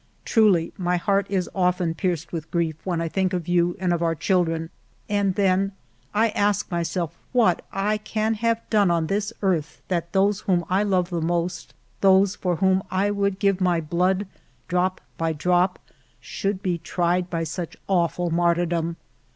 Truly my heart is often pierced with grief when I think of you and of our children ; and then I ask myself what I can have done on this earth that those whom I love the most, those for whom I would give my blood, drop by drop, should be tried by such awful martyrdom.